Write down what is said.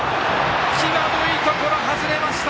際どいところ、外れました！